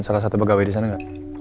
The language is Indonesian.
salah satu pegawai di sana nggak